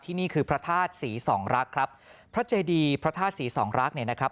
นี่คือพระธาตุศรีสองรักครับพระเจดีพระธาตุศรีสองรักเนี่ยนะครับ